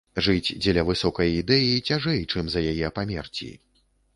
Жыць дзеля высокай ідэі цяжэй, чым за яе памерці.